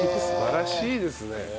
素晴らしいですね。